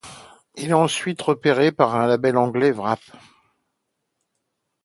Il est ensuite repéré par le label anglais Warp.